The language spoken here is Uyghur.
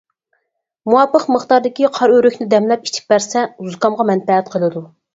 مۇۋاپىق مىقداردىكى قارىئۆرۈكنى دەملەپ ئىچىپ بەرسە، زۇكامغا مەنپەئەت قىلىدۇ.